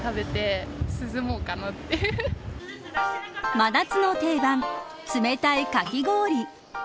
真夏の定番冷たいかき氷。